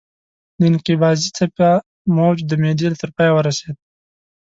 د انقباضي څپه موج د معدې تر پایه ورسېده.